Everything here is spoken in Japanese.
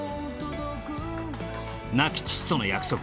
亡き父との約束